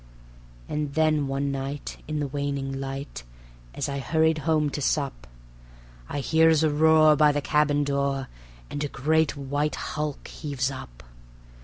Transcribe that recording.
And then one night in the waning light, as I hurried home to sup, I hears a roar by the cabin door, and a great white hulk heaves up.